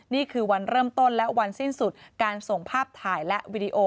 นี่คือวันเริ่มต้นและวันสิ้นสุดการส่งภาพถ่ายและวิดีโอ